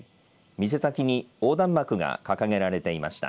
店先に横断幕が掲げられていました。